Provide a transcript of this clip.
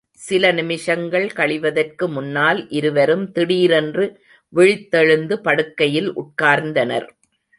சில நிமிஷங்கள் கழிவதற்கு முன்னால் இருவரும் திடீரென்று விழித்தெழுந்து படுக்கையில் உட்கார்ந்தனர்.